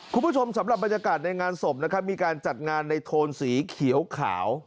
คุณผู้ชมสำหรับบรรยากาศในงานศพนะครับมีการจัดงานในโทนสีเขียว